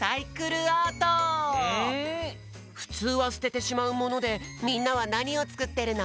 ふつうはすててしまうものでみんなはなにをつくってるの？